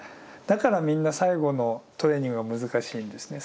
だからみんな最後のトレーニングは難しいんですね。